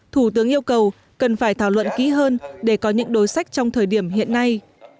thủ tướng yêu cầu cần phải thảo luận kỹ hơn để có những đối sách trong thời điểm hiện nay